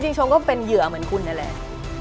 ชมก็เป็นเหยื่อเหมือนคุณนั่นแหละ